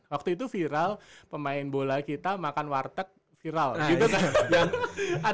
waktu itu viral pemain bola kita makan warteg viral gitu kan